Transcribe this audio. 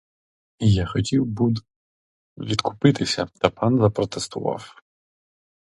Я хотів був відкупитися, та пан запротестував.